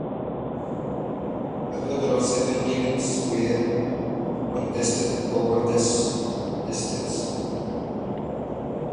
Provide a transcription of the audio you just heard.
A total of seven events were contested over this distance.